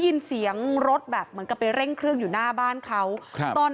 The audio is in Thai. เสียงรถแบบเหมือนกับไปเร่งเครื่องอยู่หน้าบ้านเขาครับตอน